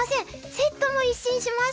セットも一新しました！